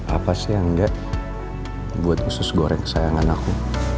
apa sih yang engga buat khusus goreng kesayangan aku